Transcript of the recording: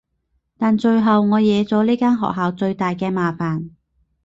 但最後我惹咗呢間學校最大嘅麻煩